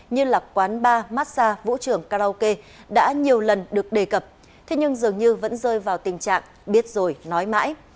như là quán bar massage vũ trường karaoke đã nhiều lần được đề cập thế nhưng dường như vẫn rơi vào tình trạng biết rồi nói mãi